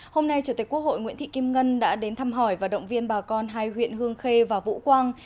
hôm nay chủ tịch quốc hội nguyễn thị kim ngân đã đến thăm hỏi và động viên bà con hai huyện hương khê và vũ quang